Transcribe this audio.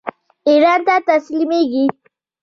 ایران ته تسلیمیږي.